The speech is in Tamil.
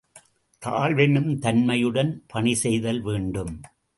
தாழ்வெனும் தன்மையுடன் பணிசெய்தல் வேண்டும்.